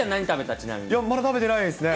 ちなみいや、まだ食べてないですね。